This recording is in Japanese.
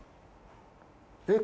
えっ？